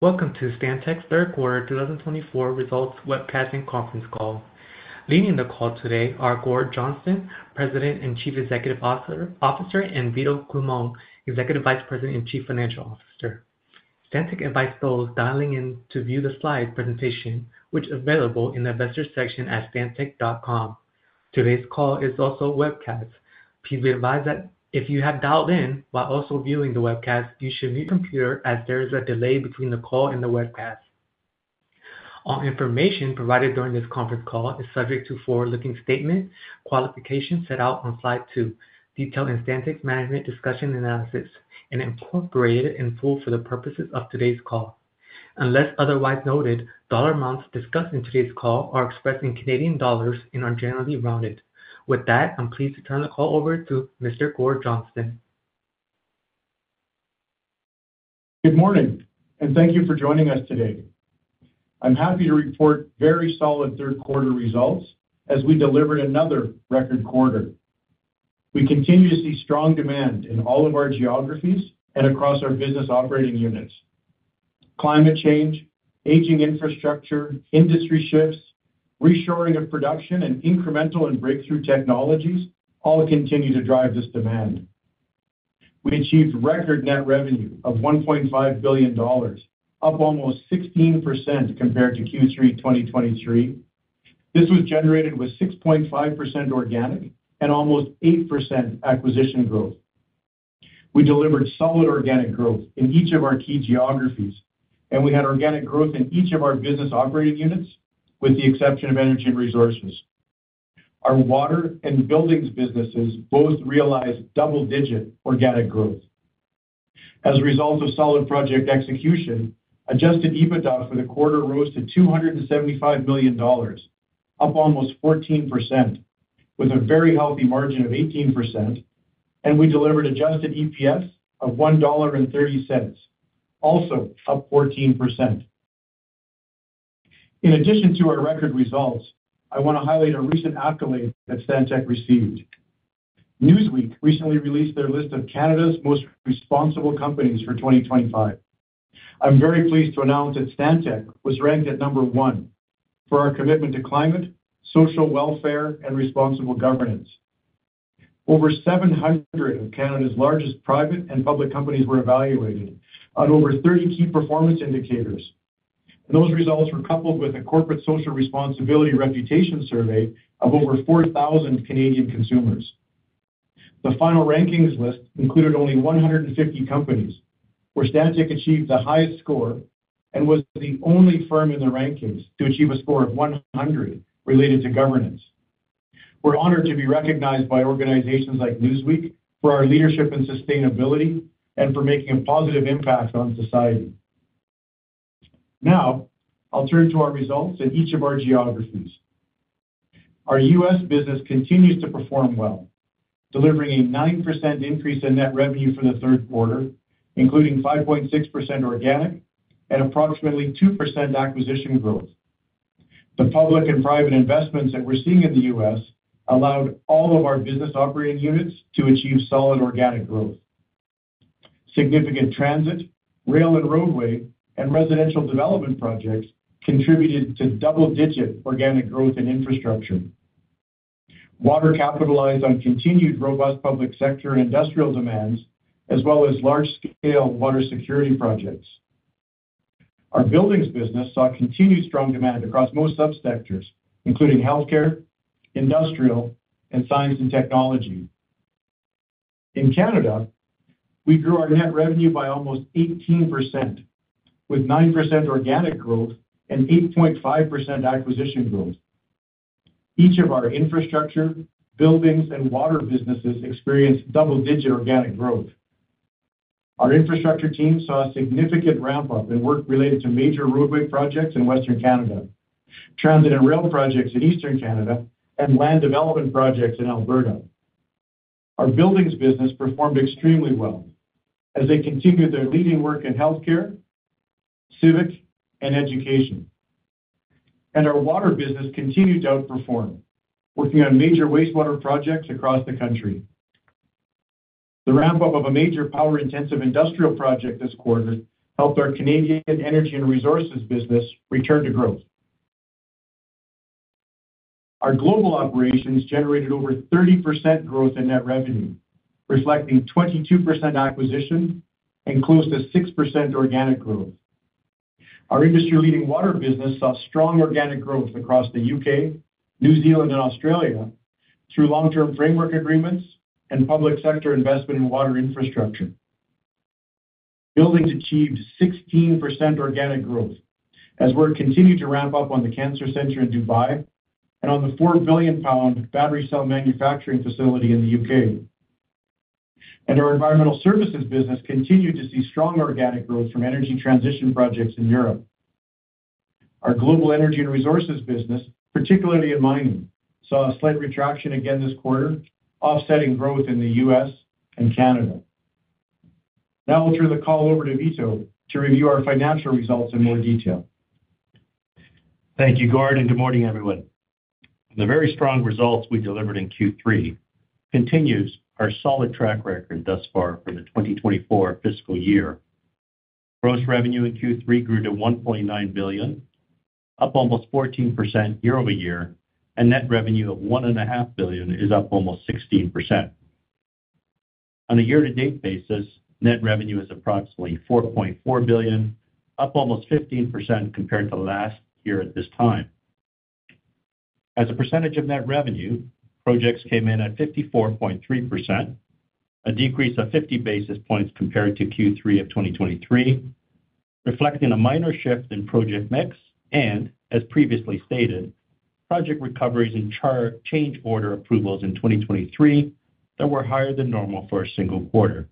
Welcome to Stantec Third Quarter 2024 Results Webcasting Conference Call. Leading the call today are Gord Johnston, President and Chief Executive Officer, and Vito Culmone, Executive Vice President and Chief Financial Officer. Stantec invites those dialing in to view the slide presentation, which is available in the investor section at stantec.com. Today's call is also a webcast. Please be advised that if you have dialed in while also viewing the webcast, you should mute your computer as there is a delay between the call and the webcast. All information provided during this conference call is subject to forward-looking statements, qualifications set out on slide two, detailed in Stantec's management discussion analysis, and incorporated in full for the purposes of today's call. Unless otherwise noted, dollar amounts discussed in today's call are expressed in Canadian dollars and are generally rounded. With that, I'm pleased to turn the call over to Mr. Gord Johnston. Good morning, and thank you for joining us today. I'm happy to report very solid third quarter results as we delivered another record quarter. We continue to see strong demand in all of our geographies and across our business operating units. Climate change, aging infrastructure, industry shifts, reshoring of production, and incremental and breakthrough technologies all continue to drive this demand. We achieved record net revenue of 1.5 billion dollars, up almost 16% compared to Q3 2023. This was generated with 6.5% organic and almost 8% acquisition growth. We delivered solid organic growth in each of our key geographies, and we had organic growth in each of our business operating units, with the exception of energy and resources. Our water and buildings businesses both realized double-digit organic growth. As a result of solid project execution, adjusted EBITDA for the quarter rose to 275 million dollars, up almost 14%, with a very healthy margin of 18%, and we delivered adjusted EPS of 1.30 dollar, also up 14%. In addition to our record results, I want to highlight a recent accolade that Stantec received. Newsweek recently released their list of Canada's most responsible companies for 2025. I'm very pleased to announce that Stantec was ranked at number one for our commitment to climate, social welfare, and responsible governance. Over 700 of Canada's largest private and public companies were evaluated on over 30 key performance indicators, and those results were coupled with a corporate social responsibility reputation survey of over 4,000 Canadian consumers. The final rankings list included only 150 companies, where Stantec achieved the highest score and was the only firm in the rankings to achieve a score of 100 related to governance. We're honored to be recognized by organizations like Newsweek for our leadership in sustainability and for making a positive impact on society. Now, I'll turn to our results in each of our geographies. Our U.S. business continues to perform well, delivering a 9% increase in net revenue for the third quarter, including 5.6% organic and approximately 2% acquisition growth. The public and private investments that we're seeing in the U.S. allowed all of our business operating units to achieve solid organic growth. Significant transit, rail and roadway, and residential development projects contributed to double-digit organic growth in infrastructure. Water capitalized on continued robust public sector and industrial demands, as well as large-scale water security projects. Our buildings business saw continued strong demand across most subsectors, including healthcare, industrial, and science and technology. In Canada, we grew our net revenue by almost 18%, with 9% organic growth and 8.5% acquisition growth. Each of our infrastructure, buildings, and water businesses experienced double-digit organic growth. Our infrastructure team saw a significant ramp-up in work related to major roadway projects in Western Canada, transit and rail projects in Eastern Canada, and land development projects in Alberta. Our buildings business performed extremely well as they continued their leading work in healthcare, civic, and education, and our water business continued to outperform, working on major wastewater projects across the country. The ramp-up of a major power-intensive industrial project this quarter helped our Canadian energy and resources business return to growth. Our global operations generated over 30% growth in net revenue, reflecting 22% acquisition and close to 6% organic growth. Our industry-leading water business saw strong organic growth across the UK, New Zealand, and Australia through long-term framework agreements and public sector investment in water infrastructure. Buildings achieved 16% organic growth as work continued to ramp up on the Cancer Center in Dubai and on the 4 billion pound battery cell manufacturing facility in the UK. Our environmental services business continued to see strong organic growth from energy transition projects in Europe. Our global energy and resources business, particularly in mining, saw a slight contraction again this quarter, offsetting growth in the U.S. and Canada. Now I'll turn the call over to Vito to review our financial results in more detail. Thank you, Gord, and good morning, everyone. The very strong results we delivered in Q3 continue our solid track record thus far for the 2024 fiscal year. Gross revenue in Q3 grew to 1.9 billion, up almost 14% year-over-year, and net revenue of 1.5 billion is up almost 16%. On a year-to-date basis, net revenue is approximately 4.4 billion, up almost 15% compared to last year at this time. As a percentage of net revenue, projects came in at 54.3%, a decrease of 50 basis points compared to Q3 of 2023, reflecting a minor shift in project mix, and, as previously stated, project recoveries in change order approvals in 2023 that were higher than normal for a single quarter.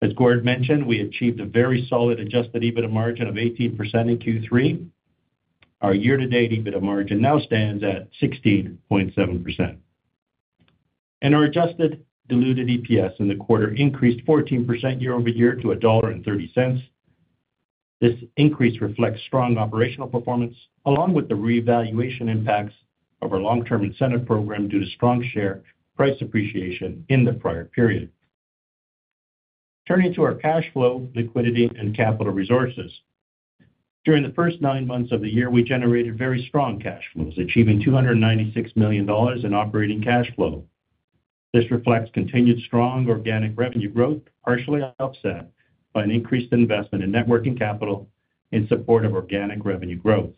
As Gord mentioned, we achieved a very solid adjusted EBITDA margin of 18% in Q3. Our year-to-date EBITDA margin now stands at 16.7%. Our adjusted diluted EPS in the quarter increased 14% year-over-year to C$1.30. This increase reflects strong operational performance, along with the revaluation impacts of our long-term incentive program due to strong share price appreciation in the prior period. Turning to our cash flow, liquidity, and capital resources. During the first nine months of the year, we generated very strong cash flows, achieving C$296 million in operating cash flow. This reflects continued strong organic revenue growth, partially offset by an increased investment in working capital in support of organic revenue growth.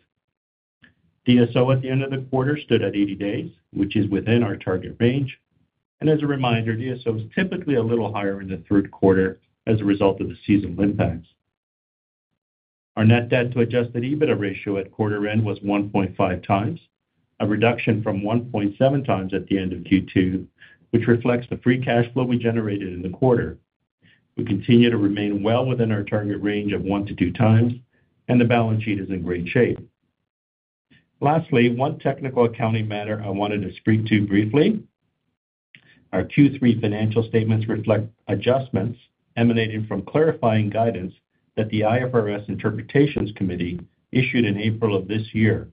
DSO at the end of the quarter stood at 80 days, which is within our target range. And as a reminder, DSO is typically a little higher in the third quarter as a result of the seasonal impacts. Our net debt-to-adjusted EBITDA ratio at quarter-end was 1.5 times, a reduction from 1.7 times at the end of Q2, which reflects the free cash flow we generated in the quarter. We continue to remain well within our target range of one to two times, and the balance sheet is in great shape. Lastly, one technical accounting matter I wanted to speak to briefly. Our Q3 financial statements reflect adjustments emanating from clarifying guidance that the IFRS Interpretations Committee issued in April of this year.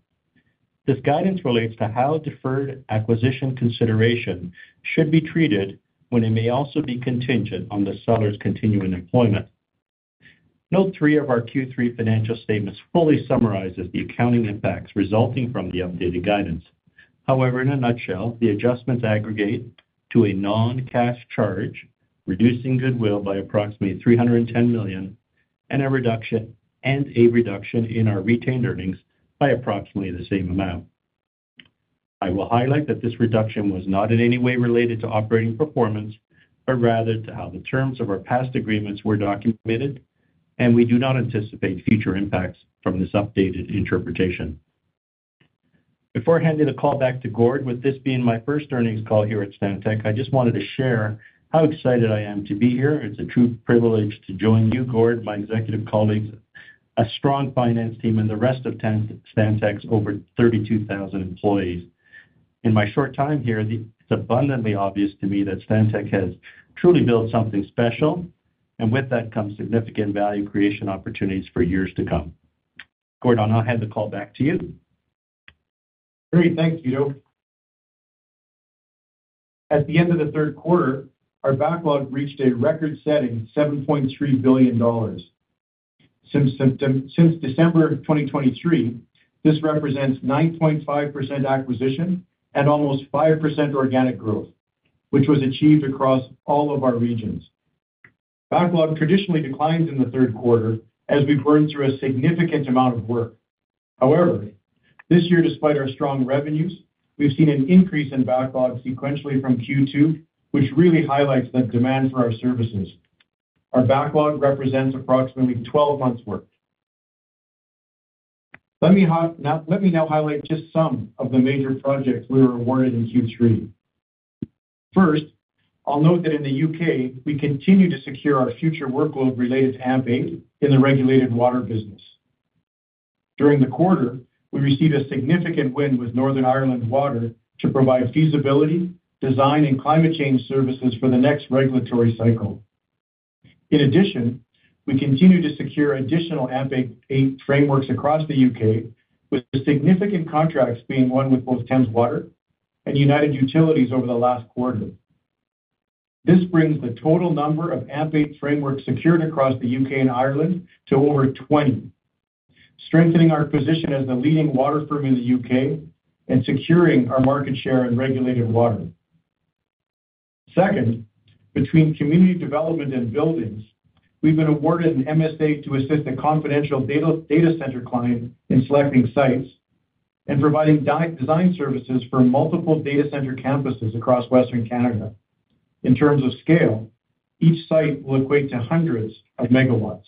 This guidance relates to how deferred acquisition consideration should be treated when it may also be contingent on the seller's continuing employment. Note 3 of our Q3 financial statements fully summarizes the accounting impacts resulting from the updated guidance. However, in a nutshell, the adjustments aggregate to a non-cash charge, reducing goodwill by approximately 310 million, and a reduction in our retained earnings by approximately the same amount. I will highlight that this reduction was not in any way related to operating performance, but rather to how the terms of our past agreements were documented, and we do not anticipate future impacts from this updated interpretation. Before handing the call back to Gord, with this being my first earnings call here at Stantec, I just wanted to share how excited I am to be here. It's a true privilege to join you, Gord, my executive colleagues, a strong finance team, and the rest of Stantec's over 32,000 employees. In my short time here, it's abundantly obvious to me that Stantec has truly built something special, and with that comes significant value creation opportunities for years to come. Gord, I'll now hand the call back to you. Great. Thank you. At the end of the third quarter, our backlog reached a record-setting 7.3 billion dollars. Since December 2023, this represents 9.5% acquisition and almost 5% organic growth, which was achieved across all of our regions. Backlog traditionally declines in the third quarter as we burn through a significant amount of work. However, this year, despite our strong revenues, we've seen an increase in backlog sequentially from Q2, which really highlights the demand for our services. Our backlog represents approximately 12 months' work. Let me now highlight just some of the major projects we were awarded in Q3. First, I'll note that in the U.K., we continue to secure our future workload related to AMP8 in the regulated water business. During the quarter, we received a significant win with Northern Ireland Water to provide feasibility, design, and climate change services for the next regulatory cycle. In addition, we continue to secure additional AMP8 frameworks across the U.K., with significant contracts being won with both Thames Water and United Utilities over the last quarter. This brings the total number of AMP8 frameworks secured across the U.K. and Ireland to over 20, strengthening our position as the leading water firm in the U.K. and securing our market share in regulated water. Second, between community development and buildings, we've been awarded an MSA to assist a confidential data center client in selecting sites and providing design services for multiple data center campuses across Western Canada. In terms of scale, each site will equate to hundreds of megawatts.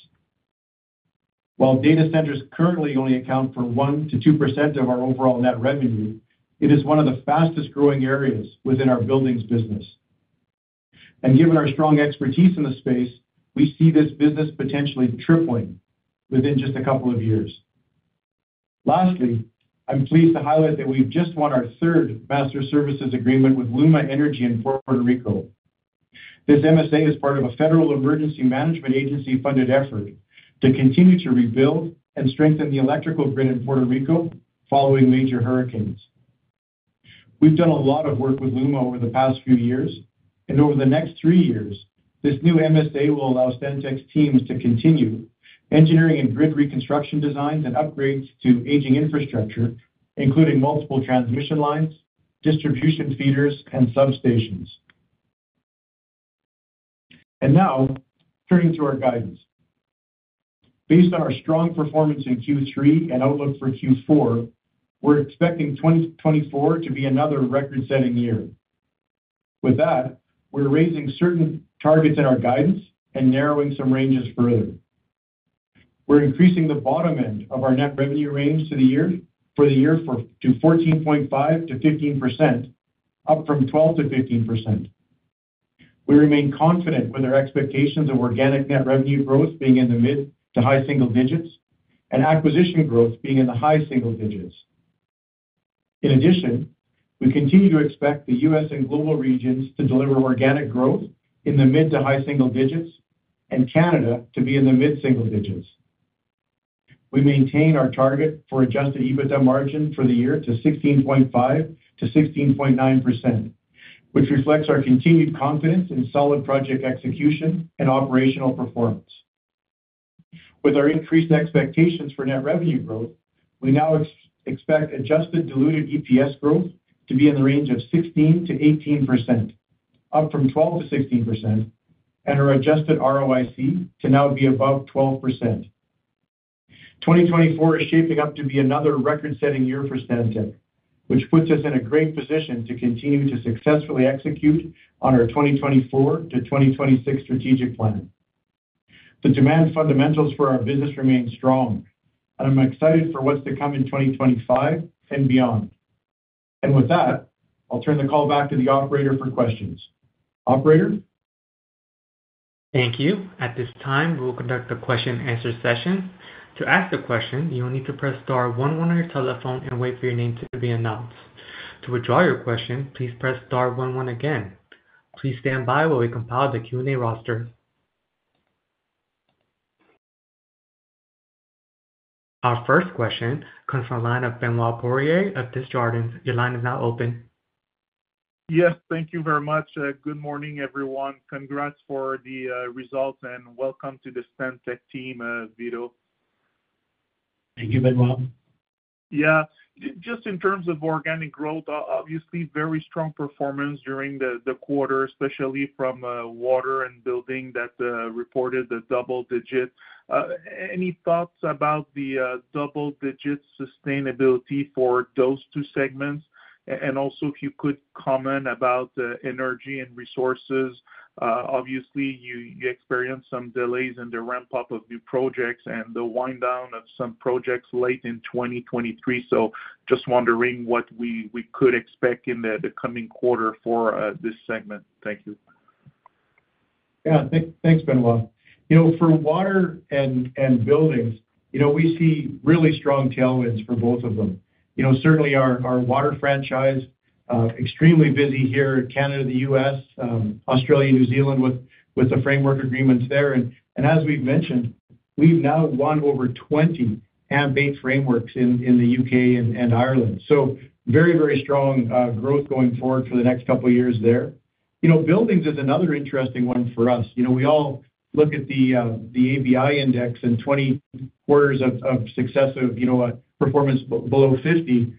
While data centers currently only account for 1% to 2% of our overall net revenue, it is one of the fastest-growing areas within our buildings business. Given our strong expertise in the space, we see this business potentially tripling within just a couple of years. Lastly, I'm pleased to highlight that we've just won our third master services agreement with LUMA Energy in Puerto Rico. This MSA is part of a Federal Emergency Management Agency-funded effort to continue to rebuild and strengthen the electrical grid in Puerto Rico following major hurricanes. We've done a lot of work with LUMA over the past few years, and over the next three years, this new MSA will allow Stantec's teams to continue engineering and grid reconstruction designs and upgrades to aging infrastructure, including multiple transmission lines, distribution feeders, and substations. Now, turning to our guidance. Based on our strong performance in Q3 and outlook for Q4, we're expecting 2024 to be another record-setting year. With that, we're raising certain targets in our guidance and narrowing some ranges further. We're increasing the bottom end of our net revenue range for the year to 14.5%-15%, up from 12%-15%. We remain confident with our expectations of organic net revenue growth being in the mid to high single digits and acquisition growth being in the high single digits. In addition, we continue to expect the U.S. and global regions to deliver organic growth in the mid to high single digits and Canada to be in the mid single digits. We maintain our target for adjusted EBITDA margin for the year to 16.5% to 16.9%, which reflects our continued confidence in solid project execution and operational performance. With our increased expectations for net revenue growth, we now expect adjusted diluted EPS growth to be in the range of 16% to 18%, up from 12% to 16%, and our adjusted ROIC to now be above 12%. 2024 is shaping up to be another record-setting year for Stantec, which puts us in a great position to continue to successfully execute on our 2024 to 2026 strategic plan. The demand fundamentals for our business remain strong, and I'm excited for what's to come in 2025 and beyond. And with that, I'll turn the call back to the operator for questions. Operator? Thank you. At this time, we'll conduct a question-and-answer session. To ask a question, you'll need to press star 11 on your telephone and wait for your name to be announced. To withdraw your question, please press star 11 again. Please stand by while we compile the Q&A roster. Our first question comes from a line of Benoit Poirier of Desjardins. Your line is now open. Yes, thank you very much. Good morning, everyone. Congrats for the results and welcome to the Stantec team, Vito. Thank you, Benoit. Yeah, just in terms of organic growth, obviously very strong performance during the quarter, especially from water and buildings that reported the double-digit. Any thoughts about the double-digit sustainability for those two segments? And also, if you could comment about energy and resources. Obviously, you experienced some delays in the ramp-up of new projects and the wind-down of some projects late in 2023. So just wondering what we could expect in the coming quarter for this segment. Thank you. Yeah, thanks, Benoit. For water and buildings, we see really strong tailwinds for both of them. Certainly, our water franchise is extremely busy here in Canada, the U.S., Australia, New Zealand with the framework agreements there. As we've mentioned, we've now won over 20 AMP8 frameworks in the U.K. and Ireland. Very, very strong growth going forward for the next couple of years there. Buildings is another interesting one for us. We all look at the ABI index and 20 quarters of successive performance below 50.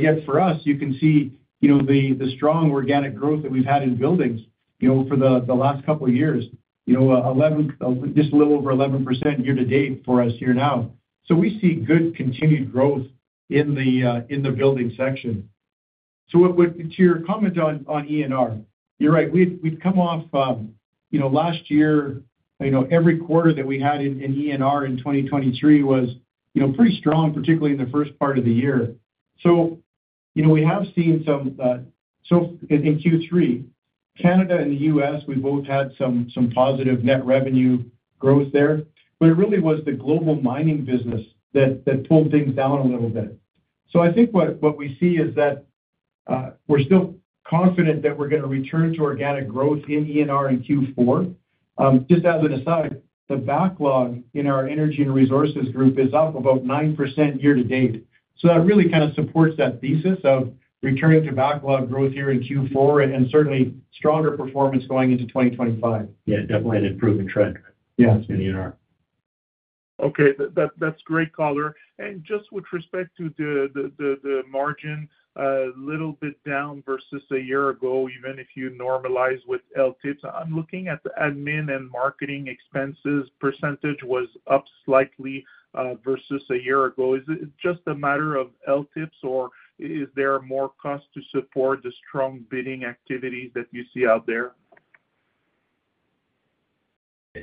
Yet, for us, you can see the strong organic growth that we've had in buildings for the last couple of years, just a little over 11% year-to-date for us here now. We see good continued growth in the building section. To your comment on ENR, you're right. We've come off last year. Every quarter that we had in ENR in 2023 was pretty strong, particularly in the first part of the year. So we have seen some in Q3, Canada and the U.S., we both had some positive net revenue growth there. But it really was the global mining business that pulled things down a little bit. So I think what we see is that we're still confident that we're going to return to organic growth in ENR in Q4. Just as an aside, the backlog in our energy and resources group is up about 9% year-to-date. So that really kind of supports that thesis of returning to backlog growth here in Q4 and certainly stronger performance going into 2025. Yeah, definitely an improving trend in ENR. Okay, that's great, color. And just with respect to the margin, a little bit down versus a year ago, even if you normalize with LTIPs. I'm looking at the admin and marketing expenses percentage was up slightly versus a year ago. Is it just a matter of LTIPs, or is there more cost to support the strong bidding activities that you see out there?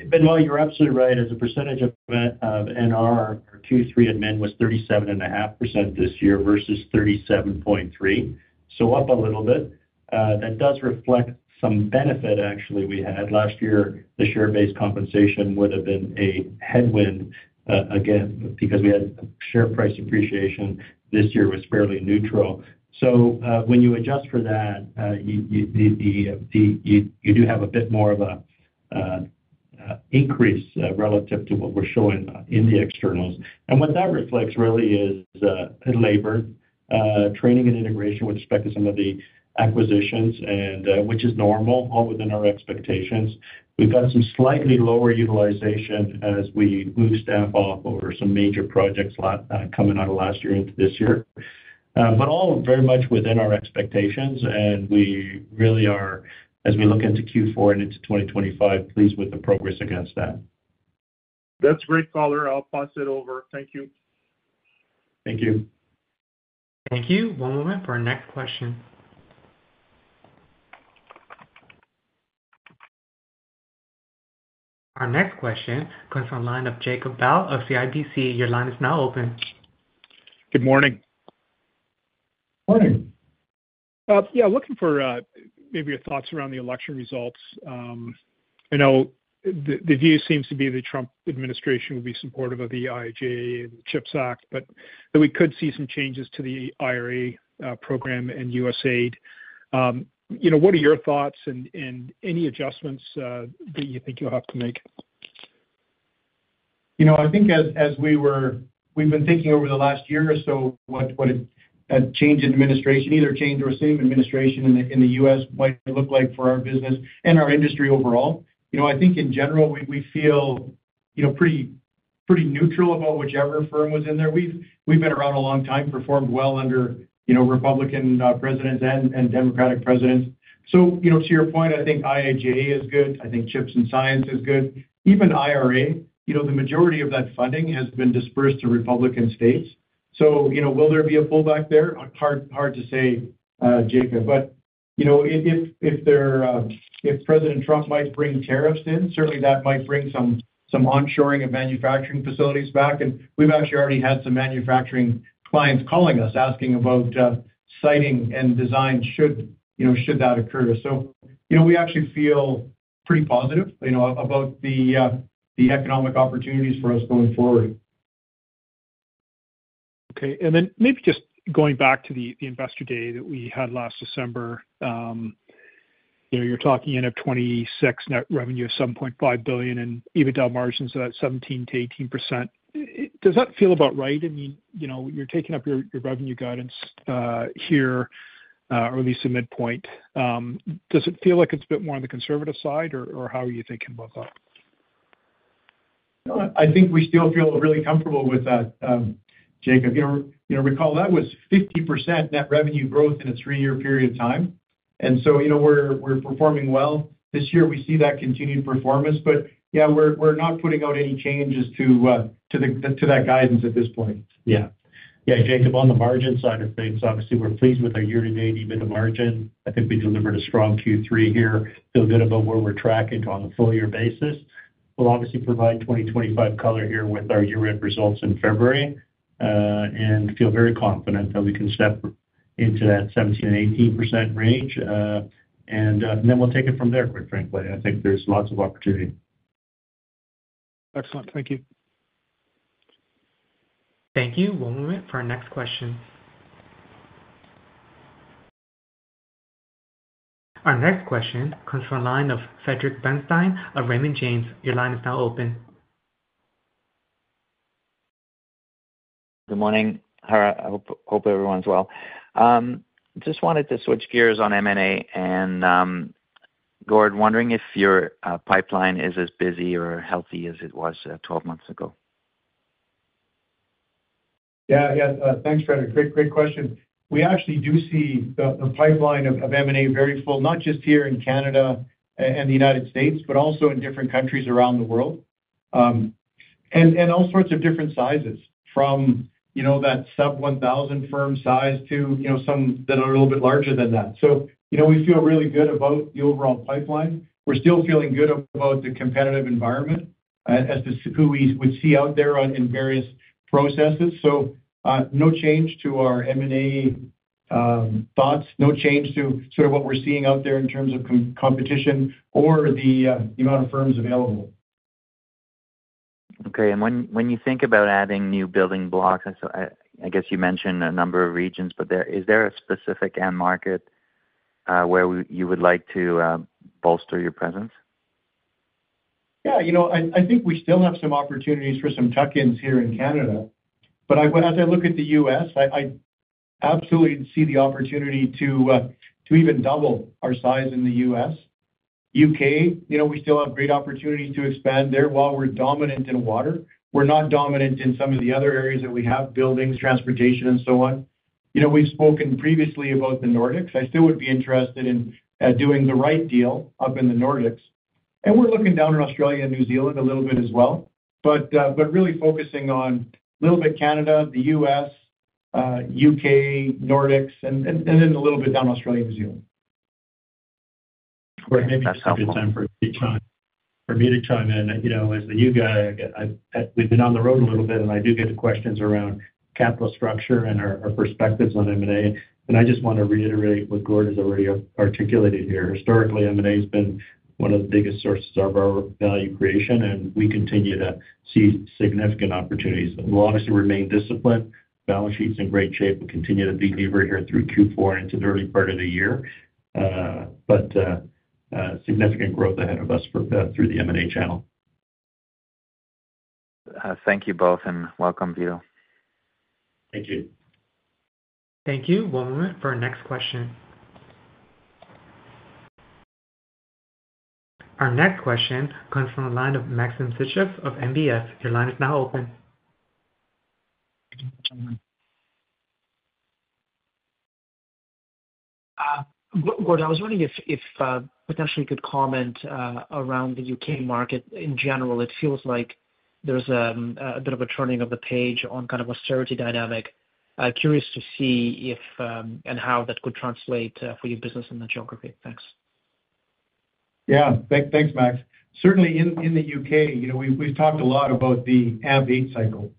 Benoit, you're absolutely right. As a percentage of NR, Q3 admin was 37.5% this year versus 37.3%. So up a little bit. That does reflect some benefit, actually, we had. Last year, the share-based compensation would have been a headwind again because we had share price appreciation. This year was fairly neutral. So when you adjust for that, you do have a bit more of an increase relative to what we're showing in the externals. And what that reflects really is labor, training, and integration with respect to some of the acquisitions, which is normal, all within our expectations. We've got some slightly lower utilization as we move staff off over some major projects coming out of last year into this year. But all very much within our expectations. And we really are, as we look into Q4 and into 2025, pleased with the progress against that. That's great, color. I'll pass it over. Thank you. Thank you. Thank you. One moment for our next question. Our next question comes from a line of Jacob Bell of CIBC. Your line is now open. Good morning. Morning. Yeah, looking for maybe your thoughts around the election results. I know the view seems to be the Trump administration will be supportive of the IIJA and the CHIPS Act, but that we could see some changes to the IRA program and USAID. What are your thoughts and any adjustments that you think you'll have to make? I think as we've been thinking over the last year or so what a change in administration, either change or same administration in the U.S., might look like for our business and our industry overall. I think in general, we feel pretty neutral about whichever firm was in there. We've been around a long time, performed well under Republican presidents and Democratic presidents. So to your point, I think IIJA is good. I think CHIPS and Science is good. Even IRA, the majority of that funding has been dispersed to Republican states. So will there be a pullback there? Hard to say, Jacob. But if President Trump might bring tariffs in, certainly that might bring some onshoring of manufacturing facilities back. And we've actually already had some manufacturing clients calling us asking about siting and design should that occur. We actually feel pretty positive about the economic opportunities for us going forward. Okay. And then maybe just going back to the investor day that we had last December, you're talking in 2026 net revenue of 7.5 billion and EBITDA margins at 17% to 18%. Does that feel about right? I mean, you're taking up your revenue guidance here, or at least the midpoint. Does it feel like it's a bit more on the conservative side, or how are you thinking about that? I think we still feel really comfortable with that, Jacob. Recall, that was 50% net revenue growth in a three-year period of time, and so we're performing well. This year, we see that continued performance, but yeah, we're not putting out any changes to that guidance at this point. Yeah. Yeah, Jacob, on the margin side of things, obviously, we're pleased with our year-to-date EBITDA margin. I think we delivered a strong Q3 here. Feel good about where we're tracking on a full-year basis. We'll obviously provide 2025 color here with our year-end results in February and feel very confident that we can step into that 17% and 18% range. And then we'll take it from there, quite frankly. I think there's lots of opportunity. Excellent. Thank you. Thank you. One moment for our next question. Our next question comes from a line of Frederic Bastien of Raymond James. Your line is now open. Good morning. Hope everyone's well. Just wanted to switch gears on M&A and, Gord, wondering if your pipeline is as busy or healthy as it was 12 months ago? Yeah, yeah. Thanks, Frederic. Great question. We actually do see the pipeline of M&A very full, not just here in Canada and the United States, but also in different countries around the world, and all sorts of different sizes, from that sub-1,000 firm size to some that are a little bit larger than that. So we feel really good about the overall pipeline. We're still feeling good about the competitive environment as to who we would see out there in various processes. So no change to our M&A thoughts, no change to sort of what we're seeing out there in terms of competition or the amount of firms available. Okay. And when you think about adding new building blocks, I guess you mentioned a number of regions, but is there a specific end market where you would like to bolster your presence? Yeah. I think we still have some opportunities for some tuck-ins here in Canada. But as I look at the U.S., I absolutely see the opportunity to even double our size in the U.S. U.K., we still have great opportunities to expand there while we're dominant in water. We're not dominant in some of the other areas that we have: buildings, transportation, and so on. We've spoken previously about the Nordics. I still would be interested in doing the right deal up in the Nordics. And we're looking down in Australia and New Zealand a little bit as well, but really focusing on a little bit Canada, the U.S., U.K., Nordics, and then a little bit down Australia, New Zealand. Gord, maybe it's time for me to chime in. As the new guy, we've been on the road a little bit, and I do get the questions around capital structure and our perspectives on M&A. And I just want to reiterate what Gord has already articulated here. Historically, M&A has been one of the biggest sources of our value creation, and we continue to see significant opportunities. We'll obviously remain disciplined. Balance sheet's in great shape. We'll continue to be levered here through Q4 and into the early part of the year. But significant growth ahead of us through the M&A channel. Thank you both, and welcome, Vito. Thank you. Thank you. One moment for our next question. Our next question comes from a line of Maxim Sytchev of National Bank Financial. Your line is now open. Gord, I was wondering if potentially you could comment around the UK market in general. It feels like there's a bit of a turning of the page on kind of austerity dynamic. Curious to see if and how that could translate for your business in that geography. Thanks. Yeah. Thanks, Max. Certainly, in the U.K., we've talked a lot about the AMP8 cycle,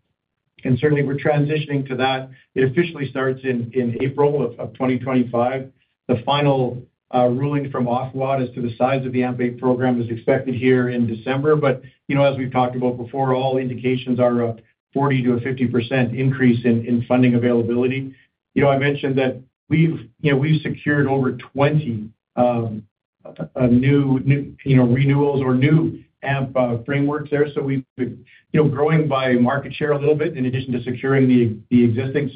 and certainly, we're transitioning to that. It officially starts in April of 2025. The final ruling from Ofwat as to the size of the AMP8 program is expected here in December, but as we've talked about before, all indications are a 40% to 50% increase in funding availability. I mentioned that we've secured over 20 new renewals or new AMP frameworks there, so we've been growing by market share a little bit in addition to securing the existing,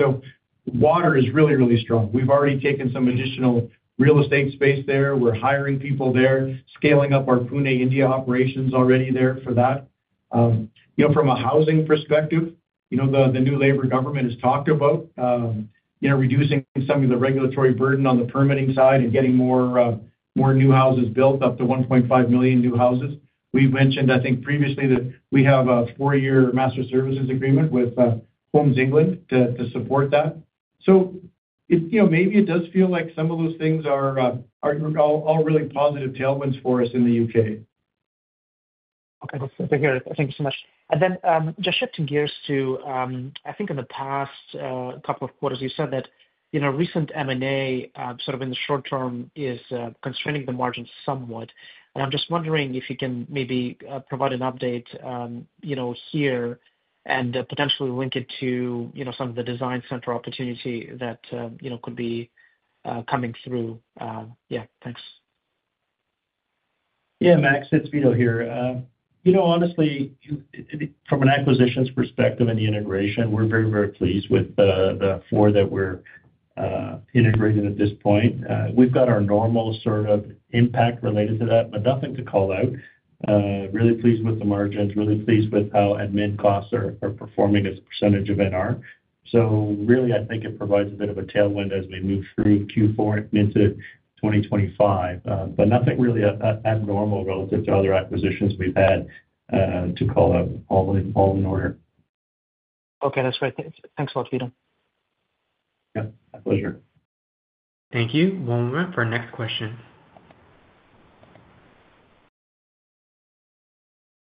so water is really, really strong. We've already taken some additional real estate space there. We're hiring people there, scaling up our Pune, India operations already there for that. From a housing perspective, the new Labour government has talked about reducing some of the regulatory burden on the permitting side and getting more new houses built, up to 1.5 million new houses. We've mentioned, I think, previously that we have a four-year master services agreement with Homes England to support that. So maybe it does feel like some of those things are all really positive tailwinds for us in the U.K. Okay. Thank you so much. And then just shifting gears to, I think, in the past couple of quarters, you said that recent M&A sort of in the short term is constraining the margins somewhat. And I'm just wondering if you can maybe provide an update here and potentially link it to some of the design center opportunity that could be coming through. Yeah. Thanks. Yeah, Max. It's Vito here. Honestly, from an acquisitions perspective and the integration, we're very, very pleased with the four that we're integrating at this point. We've got our normal sort of impact related to that, but nothing to call out. Really pleased with the margins, really pleased with how admin costs are performing as a percentage of NR. So really, I think it provides a bit of a tailwind as we move through Q4 into 2025. But nothing really abnormal relative to other acquisitions we've had to call out all in order. Okay. That's great. Thanks a lot, Vito. Yep. My pleasure. Thank you. One moment for our next question.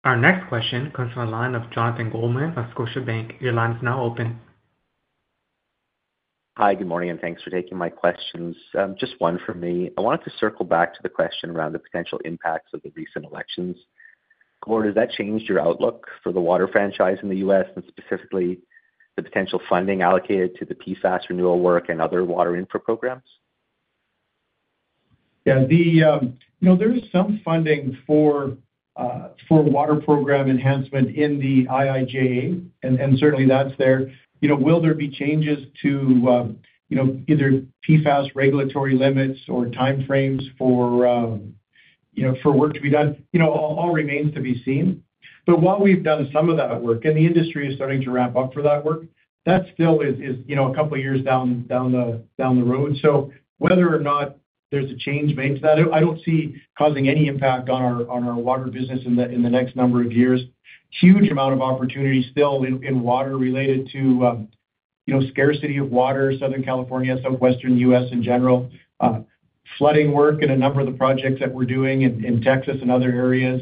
Our next question comes from a line of Jonathan Goldman of Scotiabank. Your line is now open. Hi. Good morning, and thanks for taking my questions. Just one for me. I wanted to circle back to the question around the potential impacts of the recent elections. Gord, has that changed your outlook for the water franchise in the U.S., and specifically the potential funding allocated to the PFAS renewal work and other water infra programs? Yeah. There is some funding for water program enhancement in the IIJA, and certainly that's there. Will there be changes to either PFAS regulatory limits or timeframes for work to be done? All remains to be seen, but while we've done some of that work, and the industry is starting to ramp up for that work, that still is a couple of years down the road, so whether or not there's a change made to that, I don't see causing any impact on our water business in the next number of years. Huge amount of opportunity still in water related to scarcity of water, Southern California, Southwestern U.S. in general, flooding work in a number of the projects that we're doing in Texas and other areas.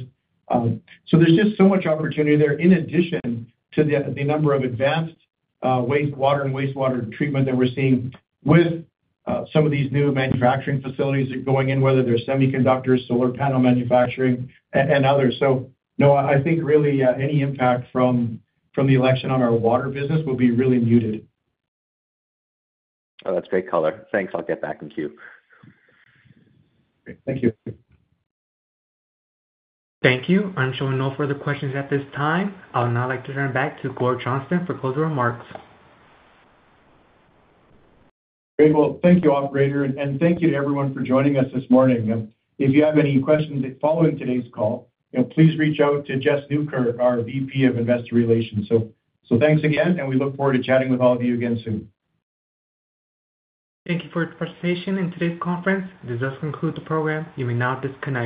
There's just so much opportunity there in addition to the number of advanced water and wastewater treatment that we're seeing with some of these new manufacturing facilities that are going in, whether they're semiconductors, solar panel manufacturing, and others. No, I think really any impact from the election on our water business will be really muted. Oh, that's great color. Thanks. I'll get back in queue. Thank you. Thank you. I'm showing no further questions at this time. I'll now like to turn it back to Gord Johnston for closing remarks. Great. Well, thank you, operator, and thank you to everyone for joining us this morning. If you have any questions following today's call, please reach out to Jess Nieukerk, our VP of Investor Relations. So, thanks again, and we look forward to chatting with all of you again soon. Thank you for your participation in today's conference. This does conclude the program. You may now disconnect.